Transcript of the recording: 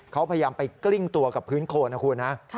เขาพยายามไปกลิ้งตัวกับพื้นโคนนะคุณนะ